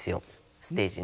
ステージに。